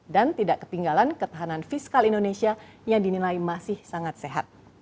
dan tidak ketinggalan ketahanan fiskal indonesia yang dinilai masih sangat sehat